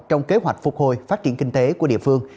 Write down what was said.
trong kế hoạch phục hồi phát triển kinh tế của địa phương